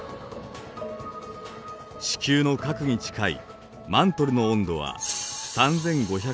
地球の核に近いマントルの温度は３，５００度ほどです。